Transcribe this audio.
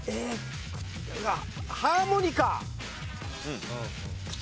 ハーモニカ「口」？